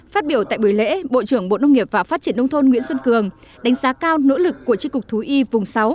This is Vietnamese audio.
phát biểu tại buổi lễ bộ trưởng bộ nông nghiệp và phát triển nông thôn nguyễn xuân cường đánh giá cao nỗ lực của tri cục thú y vùng sáu